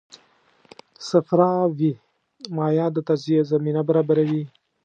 صفراوي مایع د تجزیې زمینه برابروي.